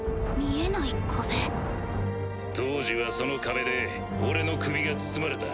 当時はその壁で俺の首が包まれた。